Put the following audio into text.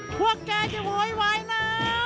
คุณแกจะโหยไหวนะ